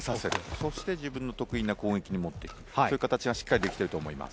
そして自分の得意な攻撃にもっていく、そういう形がしっかりできていると思います。